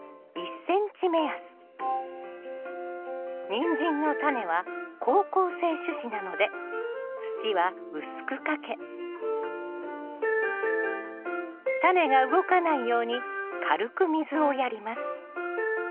ニンジンのタネは好光性種子なので土は薄くかけタネが動かないように軽く水をやります